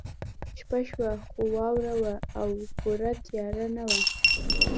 شپه شوه خو واوره وه او پوره تیاره نه وه